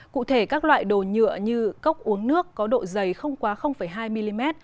cụ thể các loại đồ nhựa như cốc uống nước có độ dày không quá hai mm